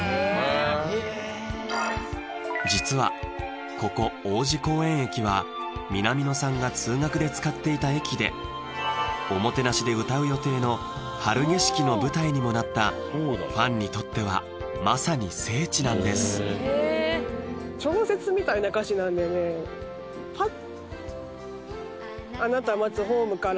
実はここ王子公園駅は南野さんが通学で使っていた駅でおもてなしで歌う予定の「春景色」の舞台にもなったファンにとってはまさに聖地なんですまっ